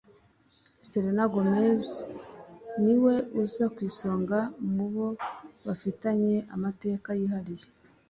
Selena Gomez ni we uza ku isonga mu bo bafitanye amateka yihariye